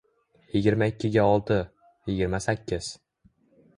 Yigirma ikkiga olti — yigirma sakkiz.